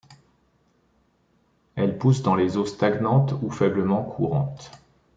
Elle pousse dans les eaux stagnantes ou faiblement courantes.